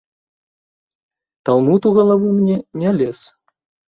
Талмуд у галаву мне не лез.